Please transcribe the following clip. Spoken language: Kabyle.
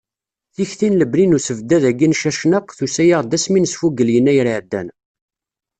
Tikti n lebni n usebddad-agi n Cacnaq, tusa-aɣ-d asmi nesfugel yennayer iɛeddan.